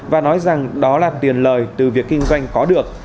và nói rằng đó là tiền lời từ việc kinh doanh có được